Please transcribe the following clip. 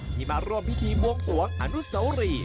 มาร่วมพิธีบวงสวงอนุสวรี